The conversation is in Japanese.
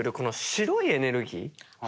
白いエネルギー？